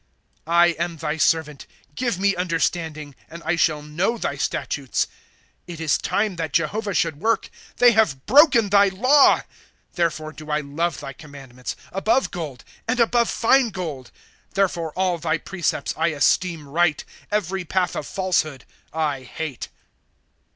* I am thy servant, — give me understanding, And I shall know thy statutes. ^ It is time that Jehovah should work ; They have broken thy law. ' Therefore do I love thy commandments, Above gold, and above fine gold. ^ Therefore all thy precepts I esteem right ; Every path of falsehood I hate.